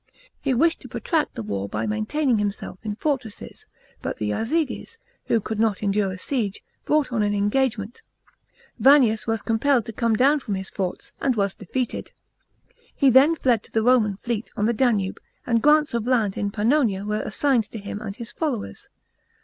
He wished to protract the war by maintaining himself in fortresses ; but the lazyges, who could not endure a siege, brought on an engagement; Vannius \vas compelled to come down from his forts, and was defeated. He then fled to the Roman fleet on the Danube, and grants of land in Pannonia were assigned to him and his followers.